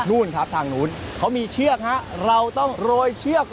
นู่นครับทางนู้นเขามีเชือกฮะเราต้องโรยเชือก